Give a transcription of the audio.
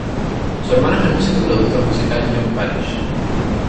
Su hermano es el músico y productor musical John Parish.